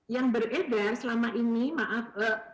yang beredar selama ini maaf